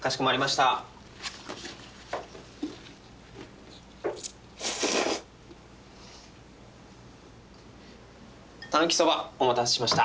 たぬきそばお待たせしました。